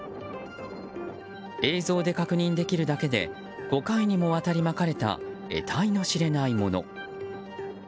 映像で確認できるだけで５回にもわたり、まかれた得体のしれないもの。